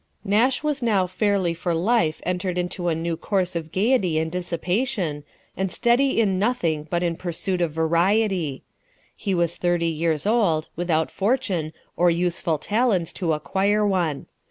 Nash was now fairly for life entered into a new course of gaiety and dissipation, and steady in nothing but in pursuit of variety. He was thirty years old, without fortune, or useful talents to acquire one.